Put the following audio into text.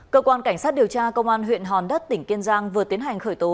cơ quan cảnh sát điều tra công an huyện hòn đất tỉnh kiên giang vừa tiến hành khởi tố